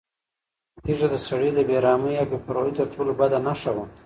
تیږه د سړي د بې رحمۍ او بې پروایۍ تر ټولو بده نښه وه.